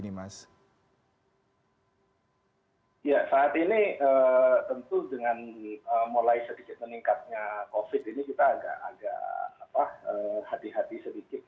ya saat ini tentu dengan mulai sedikit meningkatnya covid ini kita agak agak hati hati sedikit